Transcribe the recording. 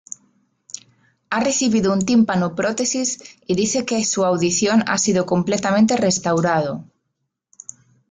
Ha recibido un tímpano prótesis y dice que su audición ha sido completamente restaurado.